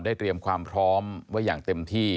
เตรียมความพร้อมไว้อย่างเต็มที่